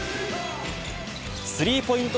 スリーポイント